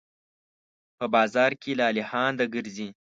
په بازار کې لالهانده ګرځي